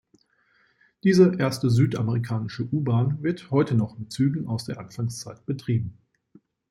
Diese erste südamerikanische U-Bahn wird heute noch mit Zügen aus der Anfangszeit betrieben.